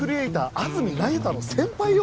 安積那由他の先輩よ